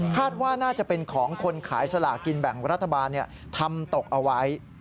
ว่าน่าจะเป็นของคนขายสลากินแบ่งรัฐบาลทำตกเอาไว้